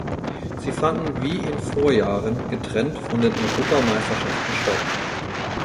Sie fanden wie in Vorjahren getrennt von den Europameisterschaften statt.